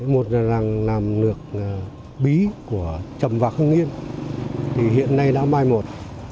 một là làng làm lược bí của trầm và khương yên thì hiện nay đã mai một